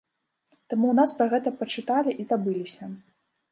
Таму ў нас пра гэта пачыталі і забыліся.